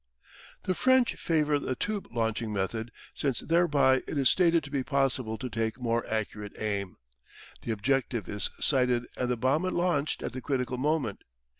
The French favour the tube launching method since thereby it is stated to be possible to take more accurate aim. The objective is sighted and the bomb launched at the critical moment.